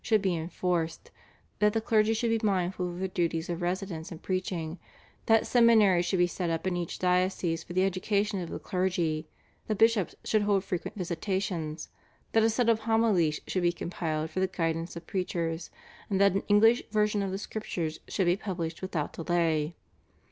should be enforced, that the clergy should be mindful of their duties of residence and preaching, that seminaries should be set up in each diocese for the education of the clergy, that bishops should hold frequent visitations, that a set of homilies should be compiled for the guidance of preachers, and that an English version of the Scriptures should be published without delay.